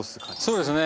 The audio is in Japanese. そうですね。